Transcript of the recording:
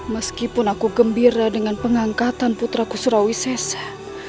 meskipun aku gembira dengan pengangkatan putraku surawisesa